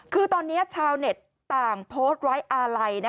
คือตอนนี้ชาวเน็ตต่างโพสต์ไว้อาลัย